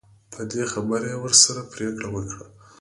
په دې خبره یې ورسره پرېکړه وکړه.